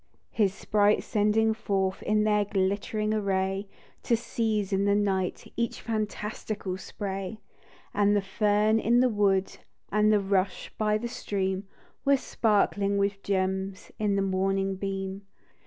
His sprites sending forth In their glittering array, To seize in the night Each fantastical spray ; And the fern in the wood, And the rush by the stream, Were sparkling with gems In the morning beam.